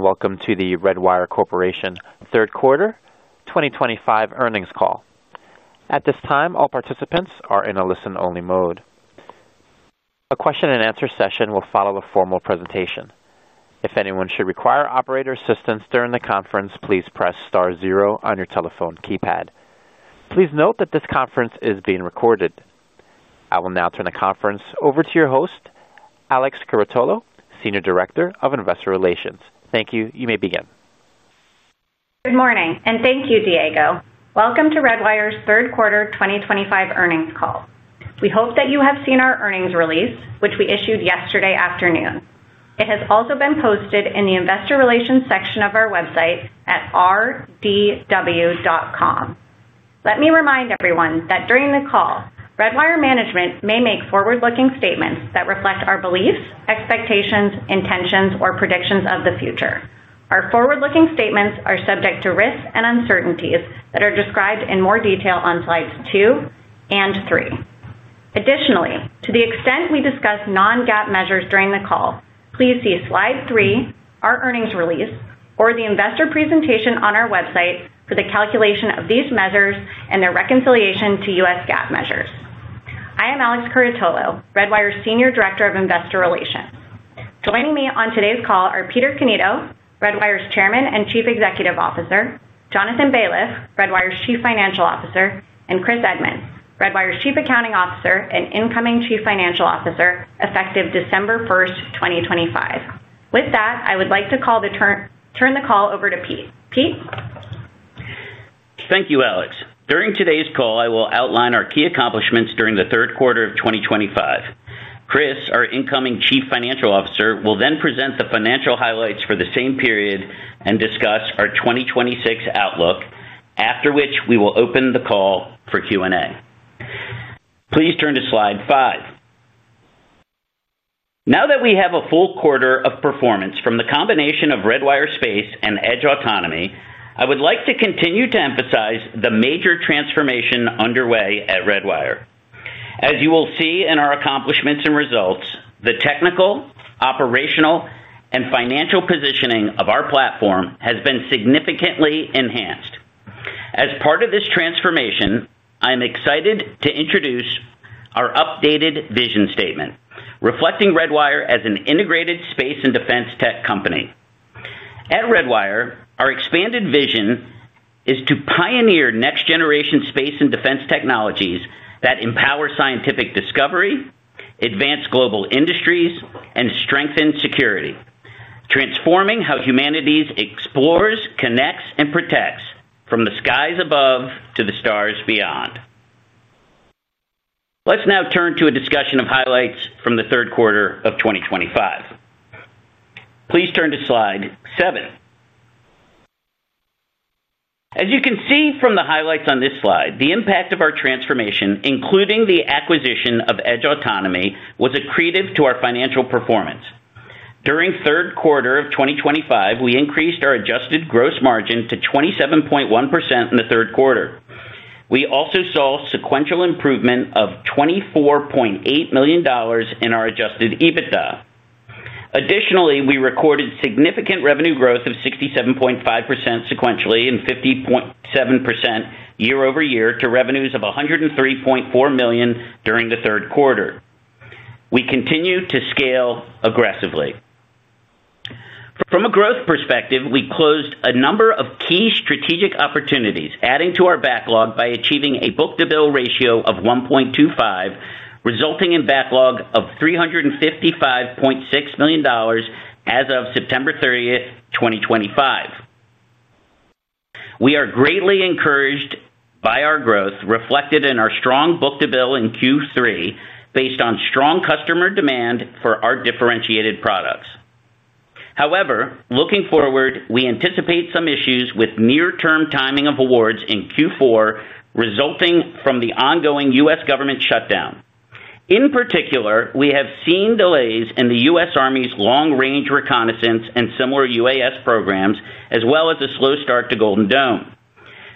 Welcome to the Redwire Corporation Third Quarter 2025 Earnings Call. At this time, all participants are in a listen-only mode. A question-and-answer session will follow a formal presentation. If anyone should require operator assistance during the conference, please press star, zero on your telephone keypad. Please note that this conference is being recorded. I will now turn the conference over to your host, Alex Curatolo, Senior Director of Investor Relations. Thank you. You may begin. Good morning, and thank you, Diego. Welcome to Redwire's Third Quarter 2025 Earnings Call. We hope that you have seen our earnings release, which we issued yesterday afternoon. It has also been posted in the investor relations section of our website at rdw.com. Let me remind everyone that during the call, Redwire management may make forward-looking statements that reflect our beliefs, expectations, intentions or predictions of the future. Our forward-looking statements are subject to risks and uncertainties that are described in more detail on slides two and three. Additionally, to the extent we discuss non-GAAP measures during the call, please see slide three, our earnings release or the investor presentation on our website, for the calculation of these measures and their reconciliation to U.S. GAAP measures. I am Alex Curatolo, Redwire's Senior Director of Investor Relations. Joining me on today's call are Peter Cannito, Redwire's Chairman and Chief Executive Officer, Jonathan Baliff, Redwire's Chief Financial Officer, and Chris Edmunds, Redwire's Chief Accounting Officer and incoming Chief Financial Officer effective December 1st, 2025. With that, I would like to turn the call over to Pete. Pete. Thank you, Alex. During today's call, I will outline our key accomplishments during the third quarter of 2025. Chris, our incoming Chief Financial Officer, will then present the financial highlights for the same period and discuss our 2026 outlook, after which we will open the call for Q&A. Please turn to slide five. Now that we have a full quarter of performance from the combination of Redwire Space and Edge Autonomy, I would like to continue to emphasize the major transformation underway at Redwire. As you will see in our accomplishments and results, the technical, operational, and financial positioning of our platform has been significantly enhanced. As part of this transformation, I'm excited to introduce our updated vision statement, reflecting Redwire as an integrated space and defense tech company. At Redwire, our expanded vision is to pioneer next-generation space and defense technologies that empower scientific discovery, advance global industries, and strengthen security, transforming how humanity explores, connects, and protects from the skies above to the stars beyond. Let's now turn to a discussion of highlights from the third quarter of 2025. Please turn to slide seven. As you can see from the highlights on this slide, the impact of our transformation, including the acquisition of Edge Autonomy, was accretive to our financial performance. During the third quarter of 2025, we increased our adjusted gross margin to 27.1% in the third quarter. We also saw sequential improvement of $24.8 million in our adjusted EBITDA. Additionally, we recorded significant revenue growth of 67.5% sequentially and 50.7% year-over-year, to revenues of $103.4 million during the third quarter. We continue to scale aggressively. From a growth perspective, we closed a number of key strategic opportunities, adding to our backlog by achieving a book-to-bill ratio of 1.25, resulting in backlog of $355.6 million as of September 30th, 2025. We are greatly encouraged by our growth reflected in our strong book-to-bill in Q3, based on strong customer demand for our differentiated products. However, looking forward, we anticipate some issues with near-term timing of awards in Q4, resulting from the ongoing U.S. government shutdown. In particular, we have seen delays in the U.S. Army's long-range reconnaissance and similar UAS programs, as well as a slow start to Golden Dome.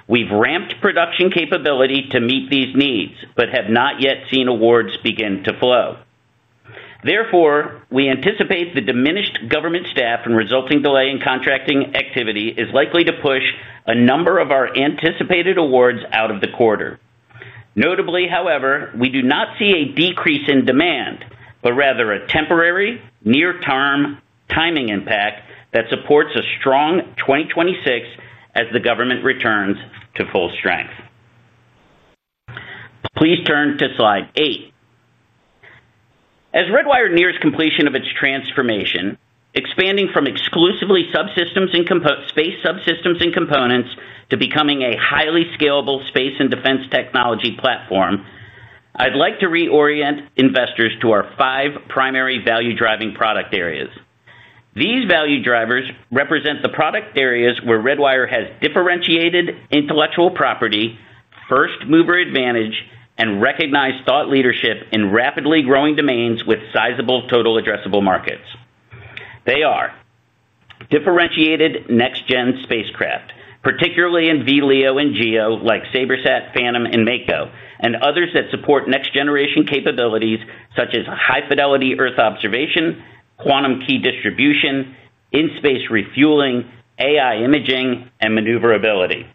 We've ramped production capability to meet these needs, but have not yet seen awards begin to flow. Therefore, we anticipate the diminished government staff and resulting delay in contracting activity, is likely to push a number of our anticipated awards out of the quarter. Notably, however, we do not see a decrease in demand, but rather a temporary near-term timing impact that supports a strong 2026 as the government returns to full strength. Please turn to slide eight. As Redwire nears completion of its transformation, expanding from exclusively space subsystems and components to becoming a highly scalable space and defense technology platform, I'd like to reorient investors to our five primary value-driving product areas. These value drivers represent the product areas where Redwire has differentiated intellectual property, first-mover advantage, and recognized thought leadership in rapidly growing domains with sizable total addressable markets. They are, differentiated next-gen spacecraft, particularly in VLEO and GEO like SabreSat, Phantom, and MACO, and others that support next-generation capabilities such as high-fidelity Earth observation, quantum key distribution, in-space refueling, AI imaging, and maneuverability.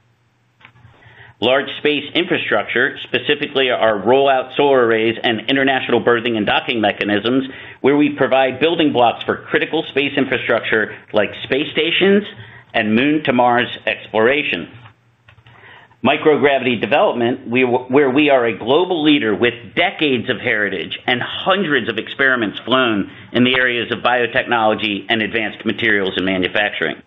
Large space infrastructure, specifically our Roll-Out Solar Arrays and International Berthing and Docking Mechanisms, where we provide building blocks for critical space infrastructure like space stations and moon-to-Mars exploration. Microgravity development, where we are a global leader with decades of heritage and hundreds of experiments flown in the areas of biotechnology and advanced materials, and manufacturing.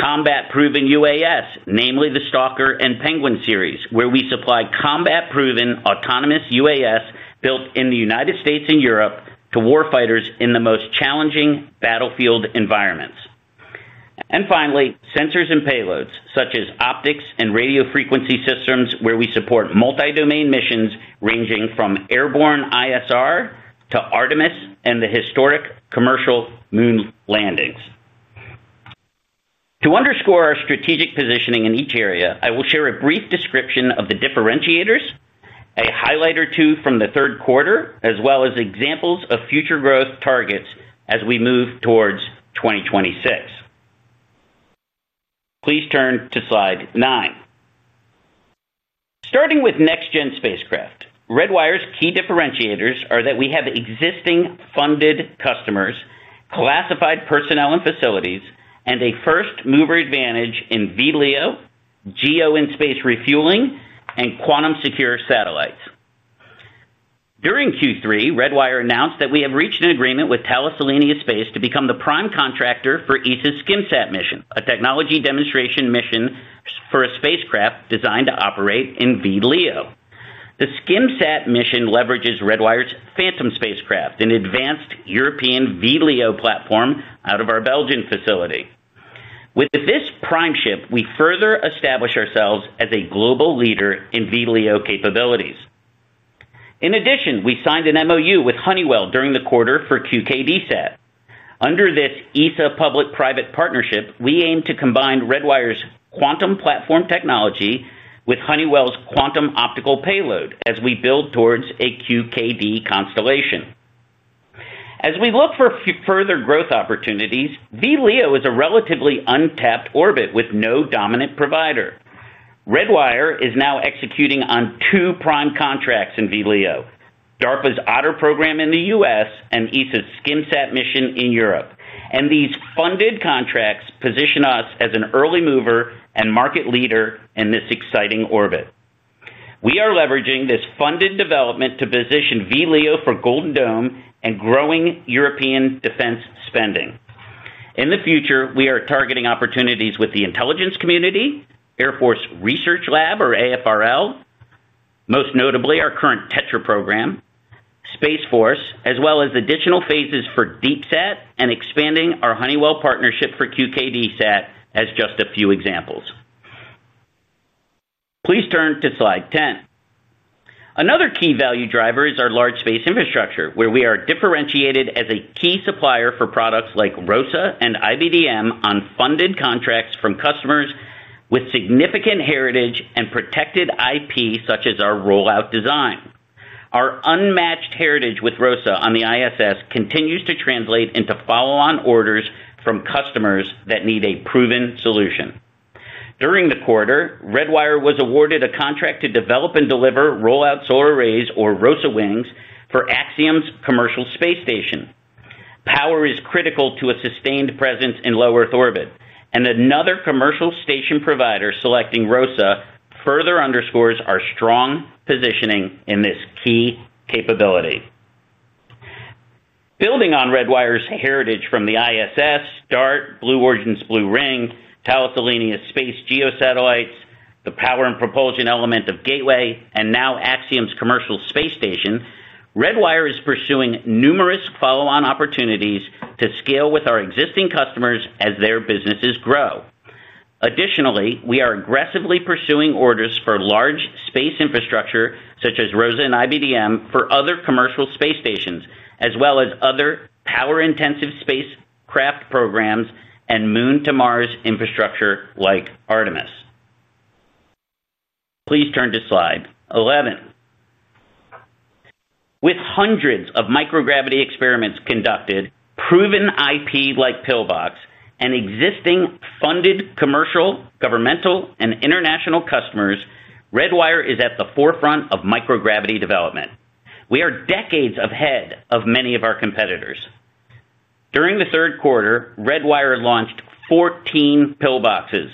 Combat-proven UAS, namely the Stalker and Penguin Series, where we supply combat-proven autonomous UAS built in the United States and Europe, to war fighters in the most challenging battlefield environments. Finally, sensors and payloads, such as optics and radio frequency systems, where we support multi-domain missions ranging from airborne ISR to Artemis and the historic commercial moon landings. To underscore our strategic positioning in each area, I will share a brief description of the differentiators, a highlight or two from the third quarter, as well as examples of future growth targets as we move towards 2026. Please turn to slide nine. Starting with next-gen spacecraft, Redwire's key differentiators are that we have existing funded customers, classified personnel and facilities, and a first-mover advantage in VLEO, GEO in space refueling, and quantum secure satellites. During Q3, Redwire announced that we have reached an agreement with Thales Alenia Space to become the prime contractor for ESA's Skimsat mission, a technology demonstration mission for a spacecraft designed to operate in VLEO. The Skimsat mission leverages Redwire's Phantom spacecraft, an advanced European VLEO platform out of our Belgium facility. With this prime ship, we further establish ourselves as a global leader in VLEO capabilities. In addition, we signed an MOU with Honeywell during the quarter for QKDSat. Under this ESA public-private partnership, we aim to combine Redwire's quantum platform technology with Honeywell's quantum optical payload as we build towards a QKD constellation. As we look for further growth opportunities, VLEO is a relatively untapped orbit with no dominant provider. Redwire is now executing on two prime contracts in VLEO, DARPA's Otter program in the U.S. and ESA's Skimsat mission in Europe. These funded contracts position us as an early mover and market leader in this exciting orbit. We are leveraging this funded development to position VLEO for Golden Dome and growing European defense spending. In the future, we are targeting opportunities with the intelligence community, Air Force Research Lab or AFRL, most notably, our current TETRA program, Space Force, as well as additional phases for DeepSat and expanding our Honeywell partnership for QKDSat as just a few examples. Please turn to slide 10. Another key value driver is our large space infrastructure, where we are differentiated as a key supplier for products like ROSA and IBDM on funded contracts from customers with significant heritage and protected IP, such as our rollout design. Our unmatched heritage with ROSA on the ISS continues to translate into follow-on orders from customers that need a proven solution. During the quarter, Redwire was awarded a contract to develop and deliver rollout solar arrays, or ROSA wings, for Axiom's commercial space station. Power is critical to a sustained presence in low Earth orbit, and another commercial station provider selecting ROSA further underscores our strong positioning in this key capability. Building on Redwire's heritage from the ISS, DART, Blue Origin's Blue Ring, Thales Alenia Space geosatellites, the Power and Propulsion Element of Gateway, and now Axiom's commercial space station, Redwire is pursuing numerous follow-on opportunities to scale with our existing customers as their businesses grow. Additionally, we are aggressively pursuing orders for large space infrastructure such as ROSA and IBDM for other commercial space stations, as well as other power-intensive spacecraft programs and moon-to-Mars infrastructure like Artemis. Please turn to slide 11. With hundreds of microgravity experiments conducted, proven IP like Pillbox, and existing funded commercial, governmental, and international customers, Redwire is at the forefront of microgravity development. We are decades ahead of many of our competitors. During the third quarter, Redwire launched 14 PIL-BOXes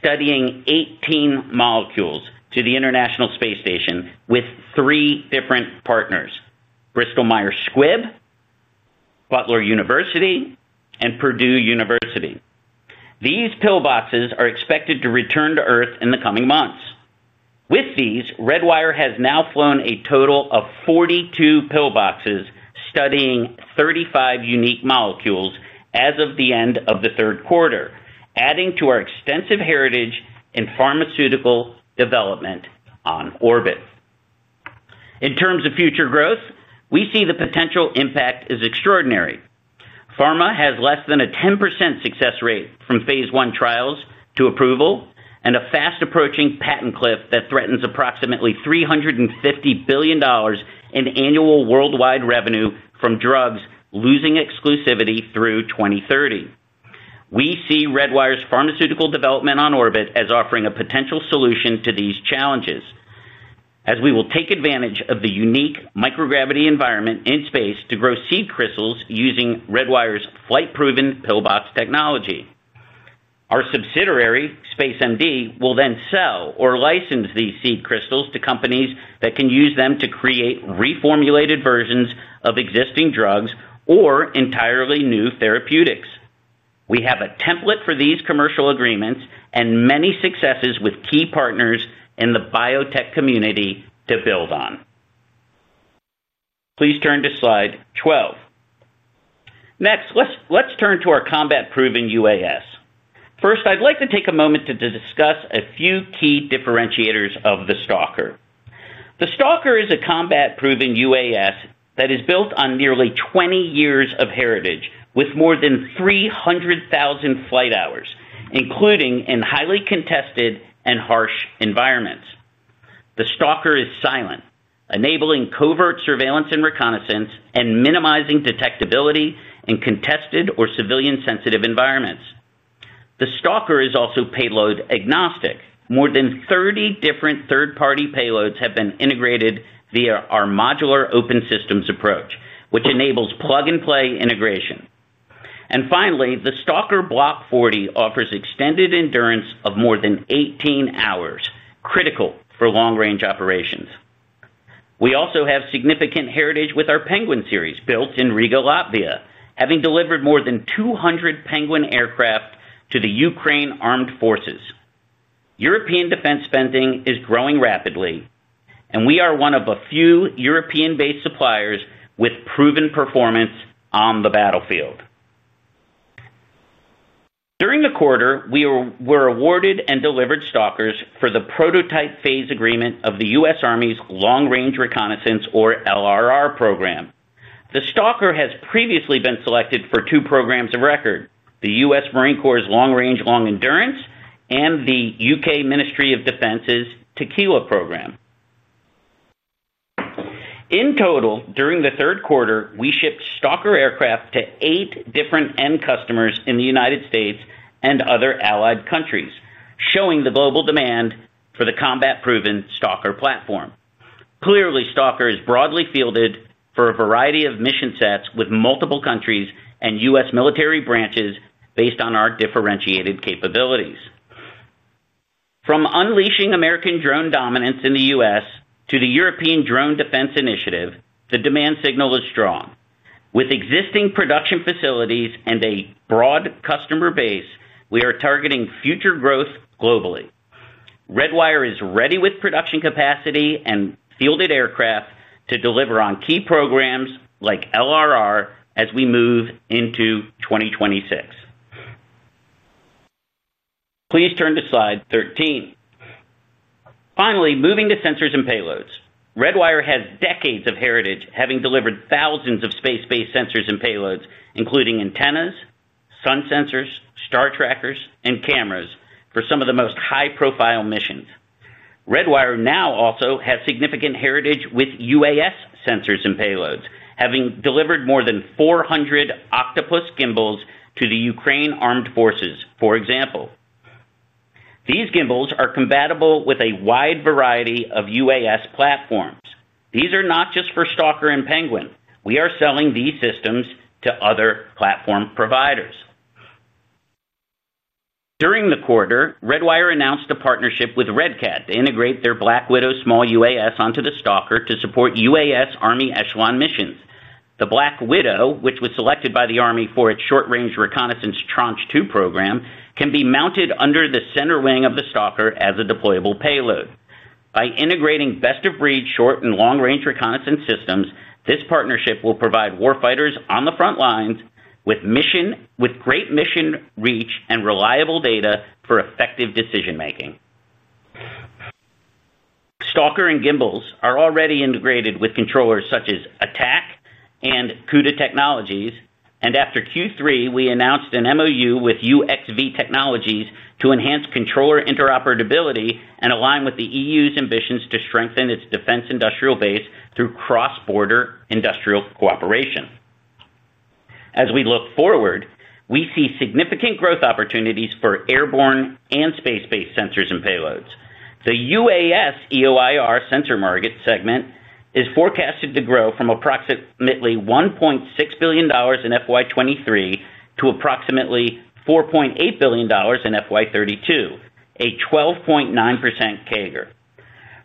studying 18 molecules, to the International Space Station with three different partners, Bristol-Myers Squibb, Butler University, and Purdue University. These PIL-BOXes are expected to return to Earth in the coming months. With these, Redwire has now flown a total of 42 PIL-BOXes, studying 35 unique molecules as of the end of the third quarter, adding to our extensive heritage in pharmaceutical development on orbit. In terms of future growth, we see the potential impact is extraordinary. Pharma has less than a 10% success rate from phase I trials to approval, and a fast-approaching patent cliff that threatens approximately $350 billion in annual worldwide revenue from drugs losing exclusivity through 2030. We see Redwire's pharmaceutical development on orbit as offering a potential solution to these challenges, as we will take advantage of the unique microgravity environment in space to grow seed crystals using Redwire's flight-proven PIL-BOX technology. Our subsidiary, SpaceMD will then sell or license these seed crystals to companies that can use them to create reformulated versions of existing drugs or entirely new therapeutics. We have a template for these commercial agreements, and many successes with key partners in the biotech community to build on. Please turn to slide 12. Next, let's turn to our combat-proven UAS. First, I'd like to take a moment to discuss a few key differentiators of the Stalker. The Stalker is a combat-proven UAS that is built on nearly 20 years of heritage, with more than 300,000 flight hours, including in highly contested and harsh environments. The Stalker is silent, enabling covert surveillance and reconnaissance and minimizing detectability in contested or civilian-sensitive environments. The Stalker is also payload agnostic. More than 30 different third-party payloads have been integrated via our modular open systems approach, which enables plug-and-play integration. Finally, the Stalker Block 40 offers extended endurance of more than 18 hours, critical for long-range operations. We also have significant heritage with our Penguin series built in Riga, Latvia, having delivered more than 200 Penguin aircraft to the Ukraine Armed Forces. European defense spending is growing rapidly, and we are one of a few European-based suppliers with proven performance on the battlefield. During the quarter, we were awarded and delivered Stalkers for the prototype phase agreement of the U.S. Army's long-range reconnaissance or LRR, program. The Stalker has previously been selected for two programs of record, the U.S. Marine Corps' long-range long endurance and the U.K. Ministry of Defense's Tequila program. In total, during the third quarter, we shipped Stalker aircraft to eight different end customers in the United States and other allied countries, showing the global demand for the combat-proven Stalker platform. Clearly, Stalker is broadly fielded for a variety of mission sets with multiple countries, and U.S. military branches based on our differentiated capabilities. From unleashing American drone dominance in the U.S. to the European drone defense initiative, the demand signal is strong. With existing production facilities and a broad customer base, we are targeting future growth globally. Redwire is ready with production capacity, and fielded aircraft to deliver on key programs like LRR as we move into 2026. Please turn to slide 13. Finally, moving to sensors and payloads. Redwire has decades of heritage, having delivered thousands of space-based sensors and payloads, including antennas, sun sensors, star trackers, and cameras for some of the most high-profile missions. Redwire now also has significant heritage with UAS sensors and payloads, having delivered more than 400 Octopus Gimbals to the Ukraine Armed Forces, for example. These gimbals are compatible with a wide variety of UAS platforms. These are not just for Stalker and Penguin. We are selling these systems to other platform providers. During the quarter, Redwire announced a partnership with Red Cat to integrate their Black Widow small UAS onto the Stalker, to support UAS Army echelon missions. The Black Widow, which was selected by the Army for its Short-Range Reconnaissance Tranche 2 program, can be mounted under the center wing of the Stalker as a deployable payload. By integrating best-of-breed short and long-range reconnaissance systems, this partnership will provide war fighters on the front lines, with great mission reach and reliable data for effective decision-making. Stalker and gimbals are already integrated with controllers such as ATT&CK and CUDA Technologies. After Q3, we announced an MOU with UXV Technologies to enhance controller interoperability, and align with the EU's ambitions to strengthen its defense industrial base through cross-border industrial cooperation. As we look forward, we see significant growth opportunities for airborne and space-based sensors and payloads. The UAS EO/IR sensor market segment is forecasted to grow from approximately $1.6 billion in FY 2023 to approximately $4.8 billion in FY 2032, a 12.9% CAGR.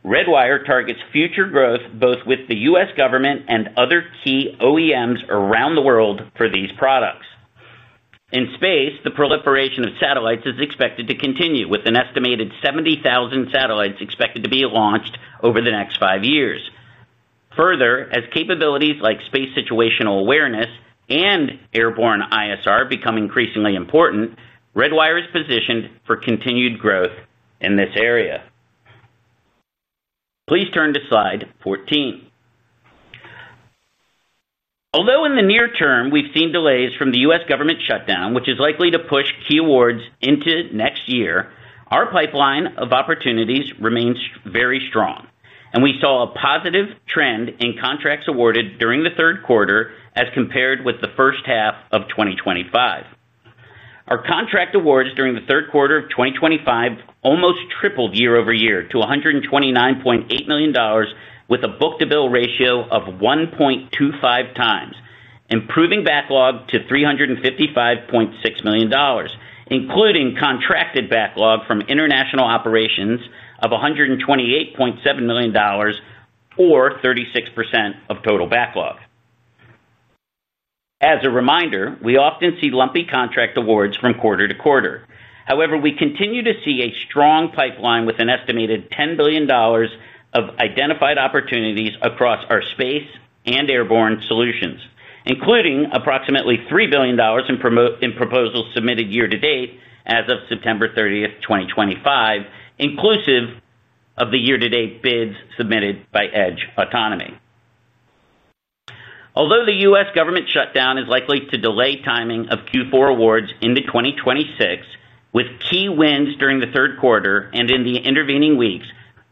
Redwire targets future growth both with the U.S. government and other key OEMs around the world for these products. In space, the proliferation of satellites is expected to continue, with an estimated 70,000 satellites expected to be launched over the next five years. Further, as capabilities like space situational awareness and airborne ISR become increasingly important, Redwire is positioned for continued growth in this area. Please turn to slide 14. Although in the near term we've seen delays from the U.S. government shutdown, which is likely to push key awards into next year, our pipeline of opportunities remains very strong and we saw a positive trend in contracts awarded during the third quarter as compared with the first half of 2025. Our contract awards during the third quarter of 2025 almost tripled year-over-year to $129.8 million, with a book-to-bill ratio of 1.25x, improving backlog to $355.6 million, including contracted backlog from international operations of $128.7 million or 36% of total backlog. As a reminder, we often see lumpy contract awards from quarter-to-quarter. However, we continue to see a strong pipeline with an estimated $10 billion of identified opportunities across our space and airborne solutions, including approximately $3 billion in proposals submitted year-to-date as of September 30th, 2025, inclusive of the year-to-date bids submitted by Edge Autonomy. Although the U.S. government shutdown is likely to delay timing of Q4 awards into 2026, with key wins during the third quarter and in the intervening weeks,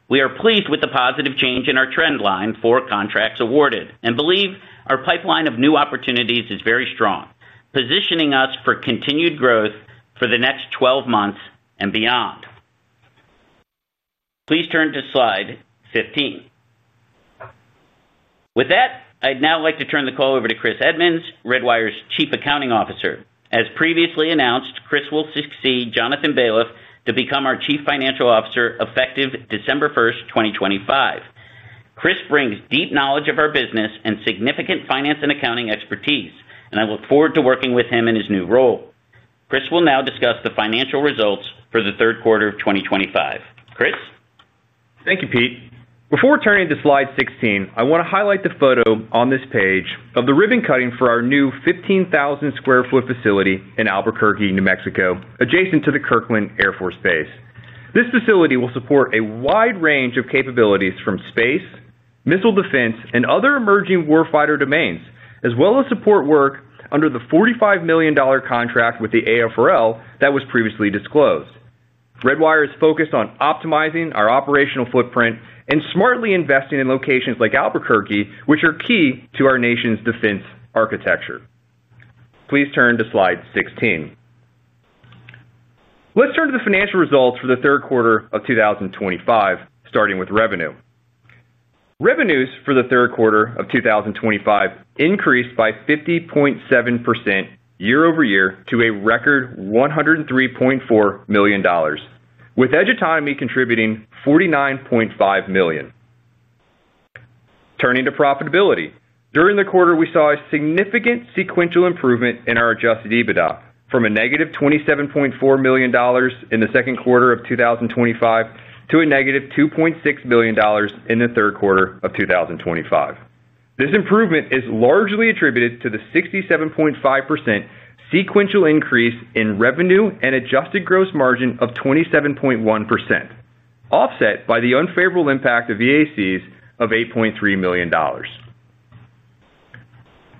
we are pleased with the positive change in our trend line for contracts awarded and believe our pipeline of new opportunities is very strong, positioning us for continued growth for the next 12 months and beyond. Please turn to slide 15. With that, I'd now like to turn the call over to Chris Edmunds, Redwire's Chief Accounting Officer. As previously announced, Chris will succeed Jonathan Baliff to become our Chief Financial Officer effective December 1st, 2025. Chris brings deep knowledge of our business and significant finance and accounting expertise, and I look forward to working with him in his new role. Chris will now discuss the financial results for the third quarter of 2025. Chris? Thank you, Pete. Before turning to slide 16, I want to highlight the photo on this page, of the ribbon cutting for our new 15,000 sq ft facility in Albuquerque, New Mexico, adjacent to the Kirkland Air Force Base. This facility will support a wide range of capabilities, from space, missile defense, and other emerging war-fighter domains, as well as support work under the $45 million contract with the AFRL that was previously disclosed. Redwire is focused on optimizing our operational footprint and smartly investing in locations like Albuquerque, which are key to our nation's defense architecture. Please turn to slide 16. Let's turn to the financial results for the third quarter of 2025, starting with revenue. Revenues for the third quarter of 2025 increased by 50.7% year-over-year, to a record $103.4 million, with Edge Autonomy contributing $49.5 million. Turning to profitability. During the quarter, we saw a significant sequential improvement in our adjusted EBITDA, from a -$27.4 million in the second quarter of 2025 to a-$2.6 million in the third quarter of 2025. This improvement is largely attributed to the 67.5% sequential increase in revenue and adjusted gross margin of 27.1%, offset by the unfavorable impact of EACs of $8.3 million.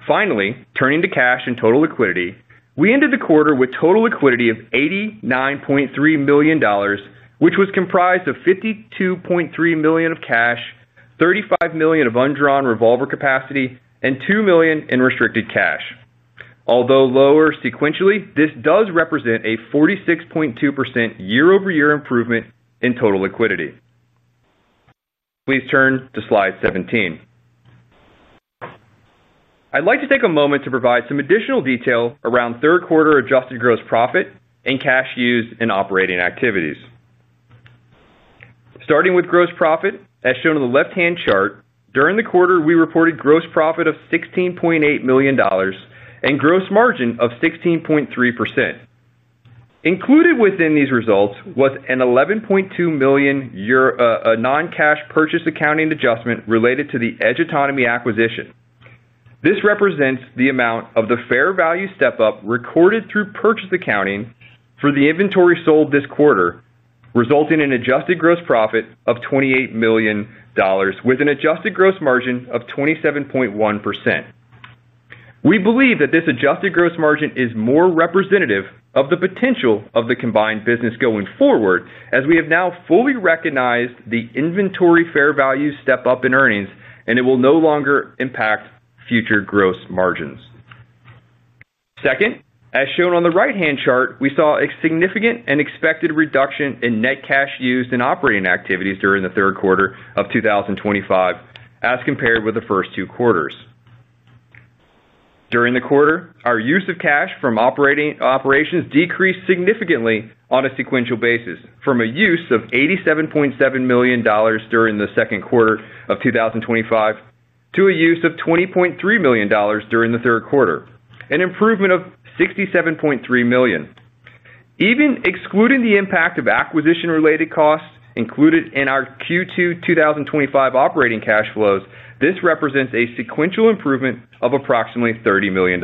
Finally, turning to cash and total liquidity, we ended the quarter with total liquidity of $89.3 million, which was comprised of $52.3 million of cash, $35 million of undrawn revolver capacity and $2 million in restricted cash. Although lower sequentially, this does represent a 46.2% year-over-year improvement in total liquidity. Please turn to slide 17. I'd like to take a moment to provide some additional detail around third quarter adjusted gross profit, and cash used in operating activities. Starting with gross profit, as shown on the left-hand chart, during the quarter, we reported gross profit of $16.8 million and gross margin of 16.3%. Included within these results was an $11.2 million non-cash purchase accounting adjustment related to the Edge Autonomy acquisition. This represents the amount of the fair value step-up recorded through purchase accounting for the inventory sold this quarter, resulting in adjusted gross profit of $28 million, with an adjusted gross margin of 27.1%. We believe that this adjusted gross margin is more representative of the potential of the combined business going forward, as we have now fully recognized the inventory fair value step-up in earnings and it will no longer impact future gross margins. Second, as shown on the right-hand chart, we saw a significant and expected reduction in net cash used in operating activities during the third quarter of 2025, as compared with the first two quarters. During the quarter, our use of cash from operations decreased significantly on a sequential basis, from a use of $87.7 million during the second quarter of 2025 to a use of $20.3 million during the third quarter, an improvement of $67.3 million. Even excluding the impact of acquisition-related costs included in our Q2 2025 operating cash flows, this represents a sequential improvement of approximately $30 million.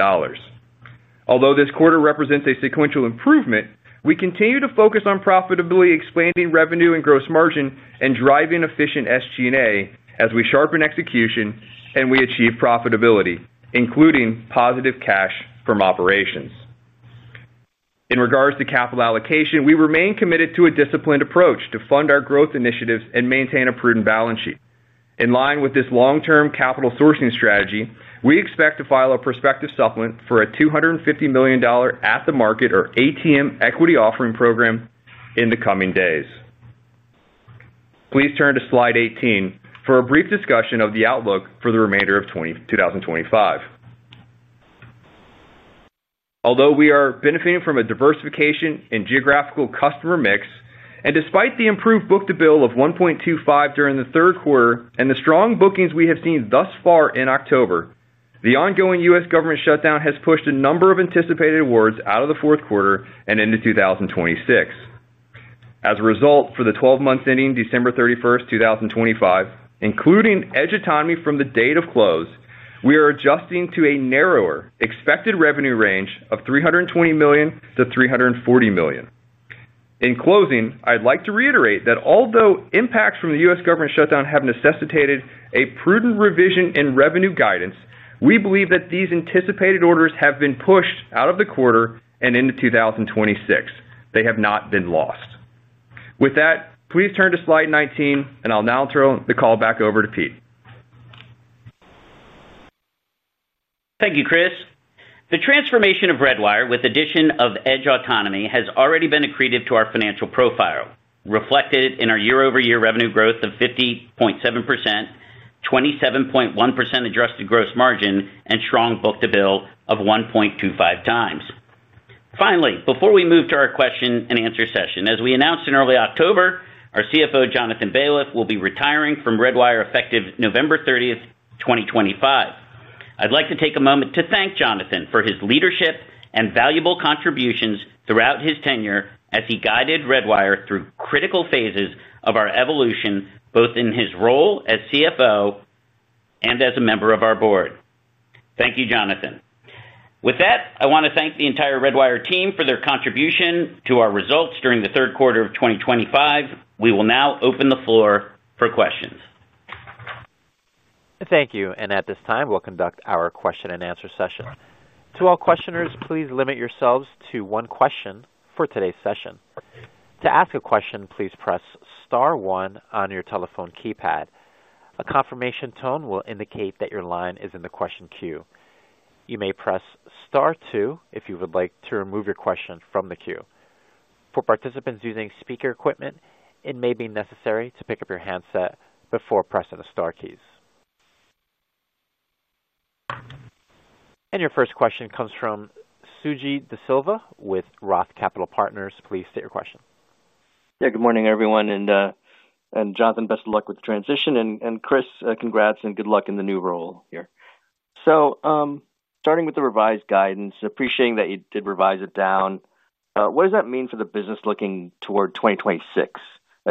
Although this quarter represents a sequential improvement, we continue to focus on profitably expanding revenue and gross margin, and driving efficient SG&A as we sharpen execution and we achieve profitability, including positive cash from operations. In regards to capital allocation, we remain committed to a disciplined approach to fund our growth initiatives and maintain a prudent balance sheet. In line with this long-term capital sourcing strategy, we expect to file a prospective supplement for a $250 million at-the-market or ATM, equity offering program in the coming days. Please turn to slide 18 for a brief discussion of the outlook for the remainder of 2025. Although we are benefiting from a diversification in geographical customer mix, and despite the improved book-to-bill of 1.25 during the third quarter and the strong bookings we have seen thus far in October, the ongoing U.S. government shutdown has pushed a number of anticipated awards out of the fourth quarter and into 2026. As a result, for the 12 months ending December 31st, 2025, including Edge Autonomy from the date of close, we are adjusting to a narrower expected revenue range of $320 million-$340 million. In closing, I'd like to reiterate that although impacts from the U.S. government shutdown have necessitated a prudent revision in revenue guidance, we believe that these anticipated orders have been pushed out of the quarter and into 2026. They have not been lost. With that, please turn to slide 19, and I'll now throw the call back over to Pete. Thank you, Chris. The transformation of Redwire with the addition of Edge Autonomy has already been accretive to our financial profile, reflected in our year-over-year revenue growth of 50.7%, 27.1% adjusted gross margin, and strong book-to-bill of 1.25x. Finally, before we move to our question-and-answer session, as we announced in early October, our CFO, Jonathan Baliff, will be retiring from Redwire effective November 30th, 2025. I'd like to take a moment to thank Jonathan for his leadership, and valuable contributions throughout his tenure as he guided Redwire through critical phases of our evolution, both in his role as CFO and as a member of our board. Thank you, Jonathan. With that, I want to thank the entire Redwire team for their contribution to our results during the third quarter of 2025. We will now open the floor for questions. Thank you. At this time, we'll conduct our question-and-answer session. To all questioners, please limit yourselves to one question for today's session. To ask a question, please press star, one on your telephone keypad. A confirmation tone will indicate that your line is in the question queue. You may press star, two if you would like to remove your question from the queue. For participants using speaker equipment, it may be necessary to pick up your handset before pressing the star keys. Your first question comes from Suji Desilva with Roth Capital Partners. Please state your question. Yeah. Good morning, everyone. Jonathan, best of luck with the transition. Chris, congrats and good luck in the new role here. Starting with the revised guidance, appreciating that you did revise it down, what does that mean for the business looking toward 2026,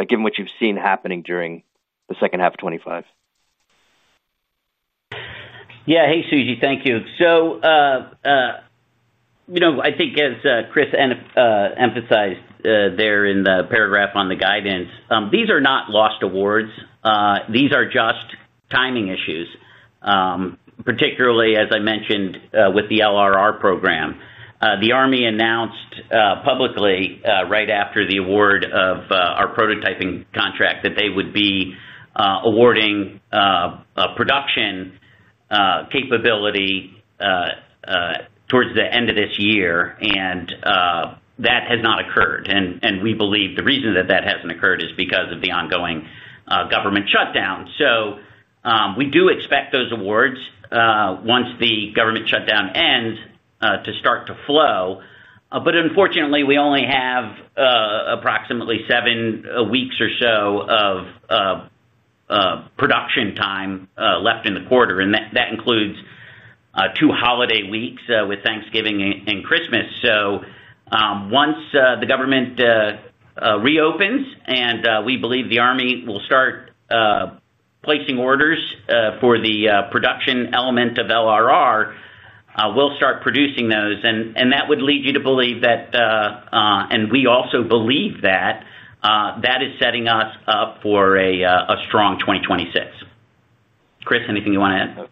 given what you have seen happening during the second half of 2025? Yeah. Hey, Suji. Thank you. I think, as Chris emphasized there in the paragraph on the guidance, these are not lost awards. These are just timing issues. Particularly, as I mentioned, with the LRR program, the army announced publicly right after the award of our prototyping contract, that they would be awarding production capability towards the end of this year and that has not occurred. We believe the reason that that hasn't occurred is because of the ongoing government shutdown. We do expect those awards, once the government shutdown ends, to start to flow. Unfortunately, we only have approximately seven weeks or so of production time left in the quarter. That includes two holiday weeks with Thanksgiving and Christmas. Once the government reopens, we believe the army will start placing orders for the production element of LRR. We'll start producing those. That would lead you to believe that, and we also believe that that is setting us up for a strong 2026. Chris, anything you want to add?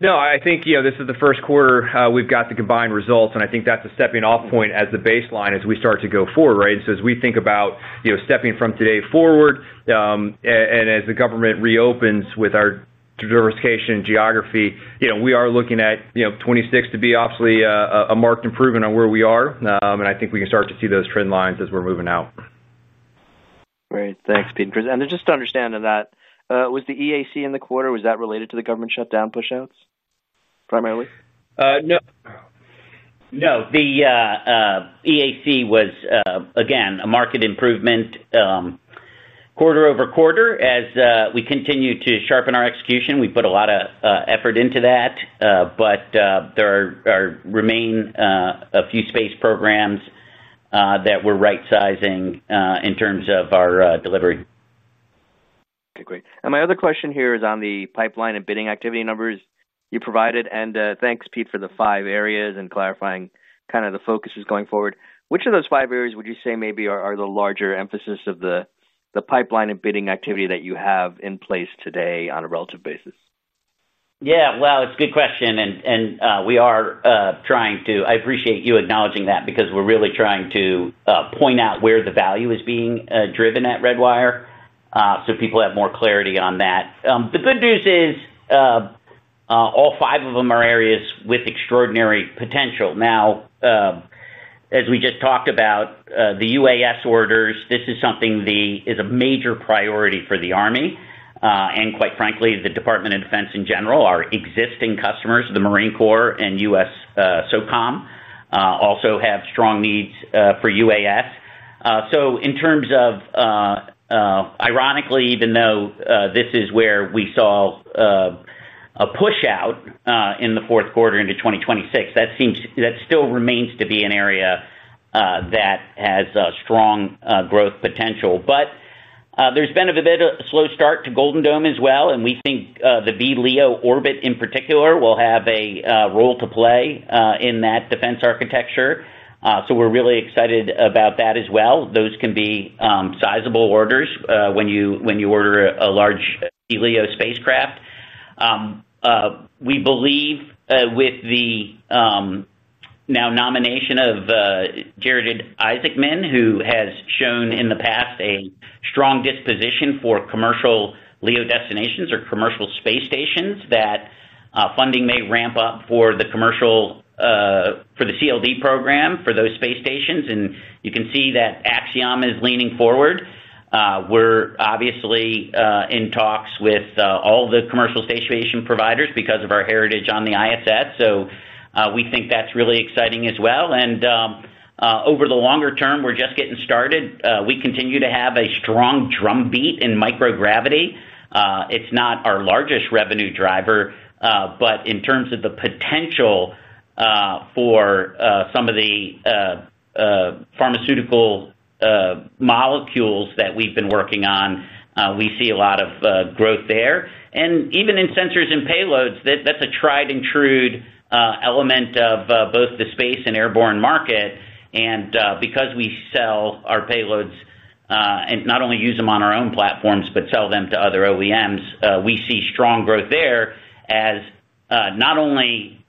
No. I think this is the first quarter we've got the combined results. I think that's a stepping-off point as the baseline as we start to go forward, right? As we think about stepping from today forward and as the government reopens with our diversification geography, we are looking at 2026 to be obviously a marked improvement on where we are. I think we can start to see those trend lines as we're moving out. Great. Thanks, Pete. Just to understand that, the EAC in the quarter, was that related to the government shutdown push-outs primarily? No. The EAC was again, a marked improvement. Quarter-over-quarter as we continue to sharpen our execution, we put a lot of effort into that, but there remain a few space programs that we're right-sizing in terms of our delivery. Okay, great. My other question here is on the pipeline and bidding activity numbers you provided. Thanks, Pete, for the five areas and clarifying kind of the focuses going forward. Which of those five areas would you say maybe are the larger emphasis of the pipeline and bidding activity that you have in place today on a relative basis? Yeah. It is a good question. I appreciate you acknowledging that, because we are really trying to point out where the value is being driven at Redwire, so people have more clarity on that. The good news is, all five of them are areas with extraordinary potential. Now, as we just talked about, the UAS orders, this is something that is a major priority for the army. Quite frankly, the Department of Defense in general, our existing customers, the Marine Corps and USSOCOM also have strong needs for UAS. Ironically, even though this is where we saw a push-out in the fourth quarter into 2026, that still remains to be an area that has strong growth potential. There has been a bit of a slow start to Golden Dome as well. We think the VLEO orbit in particular will have a role to play in that defense architecture. We are really excited about that as well. Those can be sizable orders when you order a large VLEO spacecraft. We believe with the now nomination of Jared Isaacman, who has shown in the past a strong disposition for commercial LEO destinations or commercial space stations, that funding may ramp up for the CLD program for those space stations. You can see that Axiom is leaning forward. We're obviously in talks with all the commercial station providers because of our heritage on the ISS. We think that's really exciting as well. Over the longer term, we're just getting started. We continue to have a strong drumbeat in microgravity. It's not our largest revenue driver. In terms of the potential for some of the pharmaceutical molecules that we've been working on, we see a lot of growth there. Even in sensors and payloads, that's a tried-and-true element of both the space and airborne market because we sell our payloads, and not only use them on our own platforms, but sell them to other OEMs, we see strong growth there as not only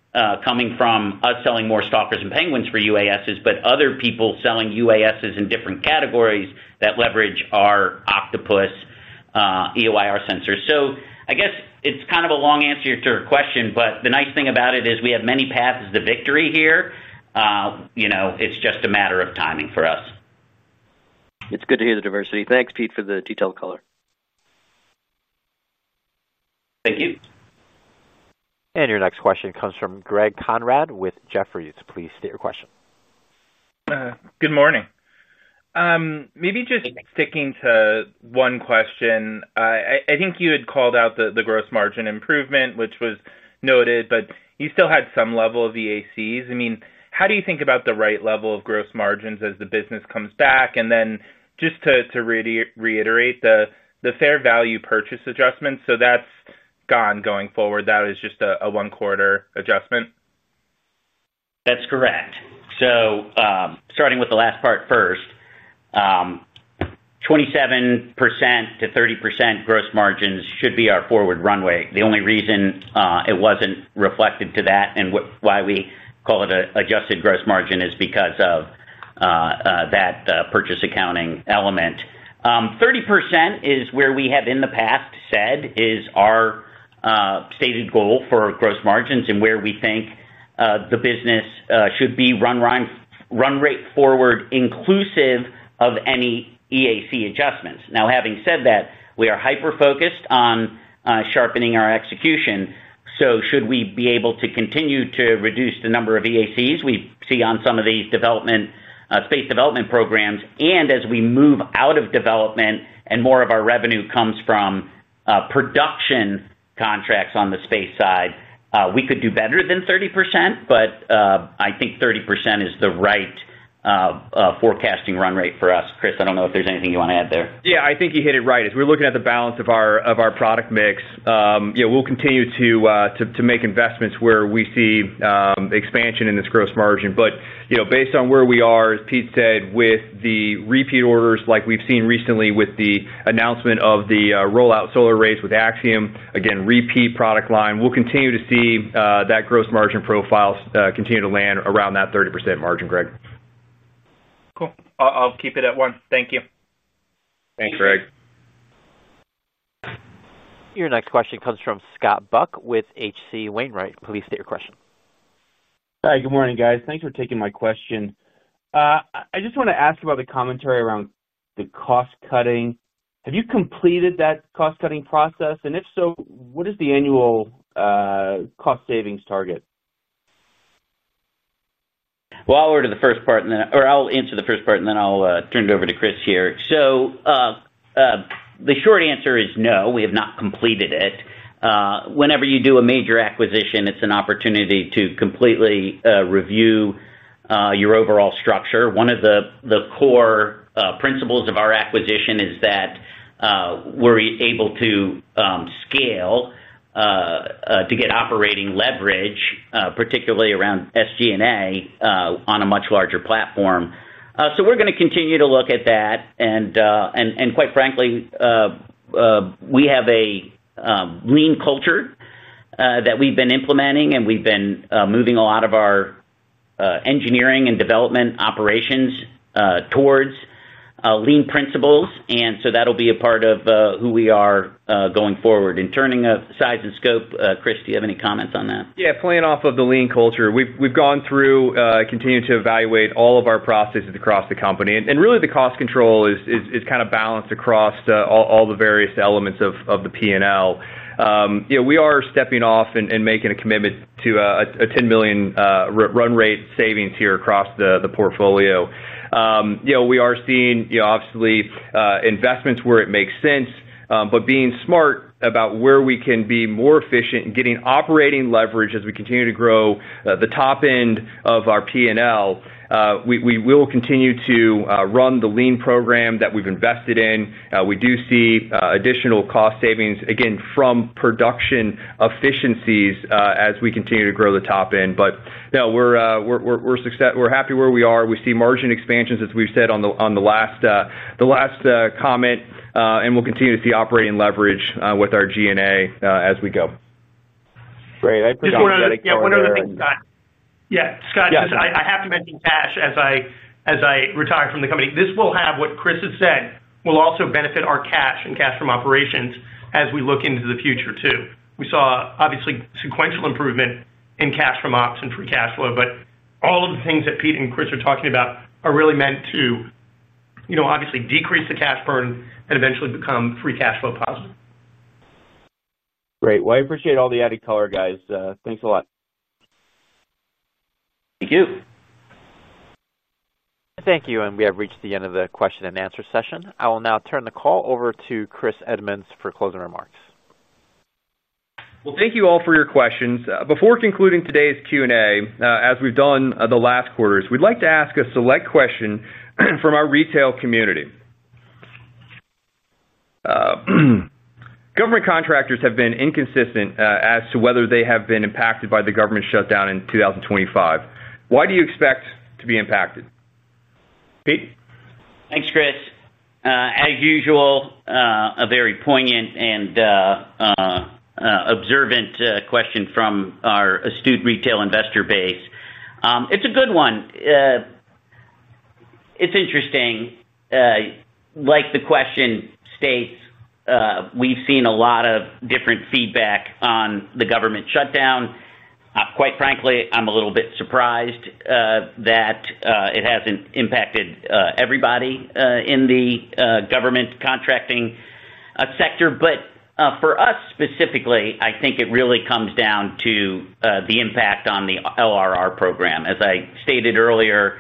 coming from us selling more Stalkers and Penguins for UASs, but other people selling UASs in different categories that leverage our Octopus EO/IR sensors. I guess it's kind of a long answer to your question. The nice thing about it is we have many paths to victory here. It's just a matter of timing for us. It's good to hear the diversity. Thanks, Pete for the detailed color. Thank you. Your next question comes from Greg Konrad with Jefferies. Please state your question. Good morning. Maybe just sticking to one question, I think you had called out the gross margin improvement which was noted, but you still had some level of EACs. I mean, how do you think about the right level of gross margins as the business comes back? Just to reiterate, the fair value purchase adjustment, so that's gone going forward. That is just a one-quarter adjustment? That's correct. Starting with the last part first. 27%-30% gross margins should be our forward runway. The only reason it was not reflected to that and why we call it an adjusted gross margin, is because of that purchase accounting element. 30% is where we have in the past said is our stated goal for gross margins, and where we think the business should be run rate forward inclusive of any EAC adjustments. Now, having said that, we are hyper-focused on sharpening our execution. Should we be able to continue to reduce the number of EACs we see on some of these space development programs, and as we move out of development and more of our revenue comes from production contracts on the space side, we could do better than 30%. I think 30% is the right forecasting run rate for us. Chris, I do not know if there is anything you want to add there. Yeah, I think you hit it right. As we're looking at the balance of our product mix, we'll continue to make investments where we see expansion in this gross margin. Based on where we are, as Pete said, with the repeat orders like we've seen recently with the announcement of the Roll-Out Solar Arrays with Axiom, again repeat product line, we'll continue to see that gross margin profile continue to land around that 30% margin, Greg. Cool, I'll keep it at one. Thank you. Thanks, Greg. Your next question comes from Scott Buck with H.C. Wainwright. Please state your question. Hi. Good morning, guys. Thanks for taking my question. I just want to ask about the commentary around the cost-cutting. Have you completed that cost-cutting process? If so, what is the annual cost savings target? I'll answer the first part, and then I'll turn it over to Chris here. The short answer is no. We have not completed it. Whenever you do a major acquisition, it's an opportunity to completely review your overall structure. One of the core principles of our acquisition is that we're able to scale to get operating leverage, particularly around SG&A on a much larger platform. We're going to continue to look at that. Quite frankly, we have a lean culture that we've been implementing, and we've been moving a lot of our engineering and development operations towards lean principles. That'll be a part of who we are going forward. In turning our size and scope, Chris, do you have any comments on that? Yeah. Playing off of the lean culture, we've gone through continuing to evaluate all of our processes across the company. Really, the cost control is kind of balanced across all the various elements of the P&L. We are stepping off and making a commitment to a $10 million run rate savings here across the portfolio. We are seeing obviously, investments where it makes sense. Being smart about where we can be more efficient in getting operating leverage as we continue to grow the top end of our P&L, we will continue to run the lean program that we've invested in. We do see additional cost savings, again from production efficiencies as we continue to grow the top end. No, we're happy where we are. We see margin expansions, as we've said on the last comment. We'll continue to see operating leverage with our G&A as we go. Great. I appreciate the color there, yeah, Yeah. Scott, I have to mention cash as I retire from the company. This will have what Chris has said, will also benefit our cash and cash from operations as we look into the future too. We saw obviously, sequential improvement in cash from ops and free cash flow. All of the things that Pete and Chris are talking about are really meant to obviously decrease the cash burn, and eventually become free cash flow positive. Great. I appreciate all the added color, guys. Thanks a lot. Thank you. Thank you. We have reached the end of the question-and-answer session. I will now turn the call over to Chris Edmunds for closing remarks. Thank you all for your questions. Before concluding today's Q&A, as we've done the last quarters, we'd like to ask a select question from our retail community. Government contractors have been inconsistent as to whether they have been impacted by the government shutdown in 2025. What do you expect to be impacted, Pete? Thanks, Chris. As usual, a very poignant and observant question from our astute retail investor base. It's a good one. It's interesting. Like the question states, we've seen a lot of different feedback on the government shutdown. Quite frankly, I'm a little bit surprised that it hasn't impacted everybody in the government contracting sector. For us specifically, I think it really comes down to the impact on the LRR program. As I stated earlier,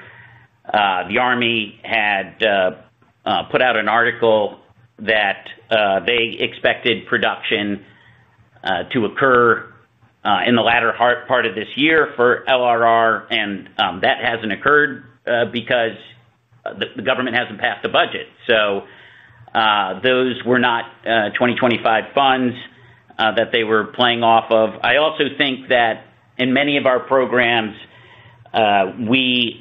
the army had put out an article that they expected production to occur in the latter part of this year for LRR, and that hasn't occurred because the government hasn't passed a budget. Those were not 2025 funds that they were playing off of. I also think that in many of our programs, it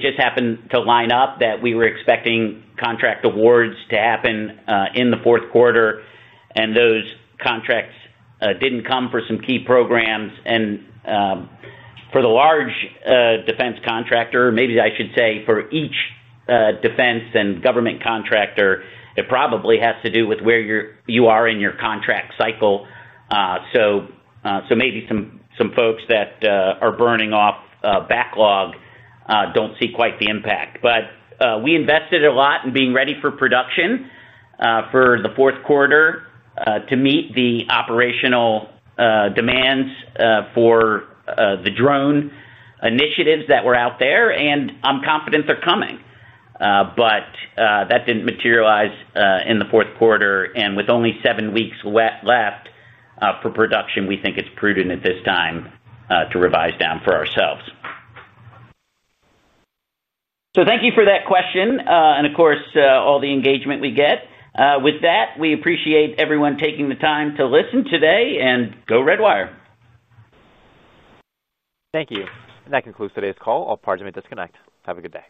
just happened to line up that we were expecting contract awards to happen in the fourth quarter and those contracts didn't come for some key programs. For the large defense contractor, maybe I should say for each defense and government contractor, it probably has to do with where you are in your contract cycle. Maybe some folks that are burning off backlog don't see quite the impact. We invested a lot in being ready for production for the fourth quarter, to meet the operational demands for the drone initiatives that were out there. I'm confident they're coming, but that didn't materialize in the fourth quarter. With only seven weeks left for production, we think it's prudent at this time to revise down for ourselves. Thank you for that question and of course, all the engagement we get. With that, we appreciate everyone taking the time to listen today and go Redwire. Thank you. That concludes today's call. All parties may disconnect. Have a good day.